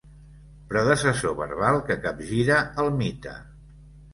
Predecessor verbal que capgira el mite.